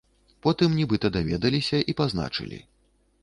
Потым нібыта даведаліся і пазначылі.